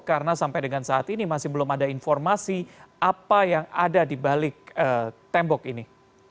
karena sampai dengan saat ini masih belum ada informasi apa yang ada di balik tembok ini